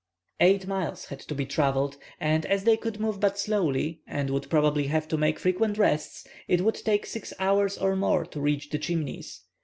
Eight miles had to be travelled, and as they could move but slowly, and would probably have to make frequent rests, it would take six hours or more to reach the Chimneys.